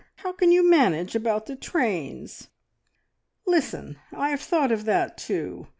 How can you manage about the trains?" "Listen! I have thought of that too.